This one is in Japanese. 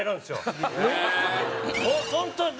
本当